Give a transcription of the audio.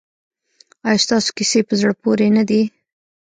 ایا ستاسو کیسې په زړه پورې نه دي؟